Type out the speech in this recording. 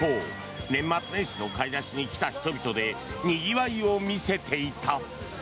年末年始の買い出しに来た人でにぎわいを見せていた。